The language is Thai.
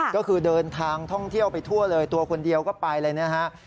ก็คือเดินทางท่องเที่ยวไปทั่วเลยตัวคนเดียวก็ไปเลยนะฮะ